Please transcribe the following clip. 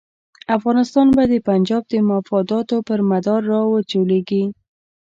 افغانستان به د پنجاب د مفاداتو پر مدار را وچورلېږي.